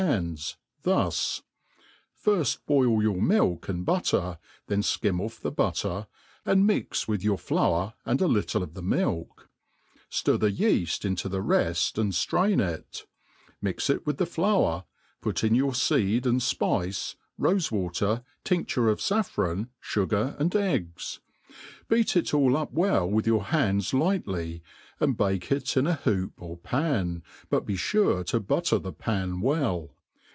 hamls thus: firft boil your milk and butter, then (kirn ofi the butter, and mix with your Jour^ and a little of the milk 5 ftir the yeaft into the reft and ftrain it, mix it with the flovr, put in your feed and fpice, rofe water, ,tjq£liir/e of ij^jS^jron, fugar, and egg$ ; beat it aU up w^ with jpur b^ni^s lightly, .and bake it in a hoop or pan, bufbe Tur« •to butter the p,a» well.